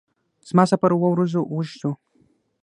زما سفر اووه ورځو اوږد شو.